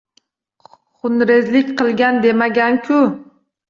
Xunrezlik qil demagan-ku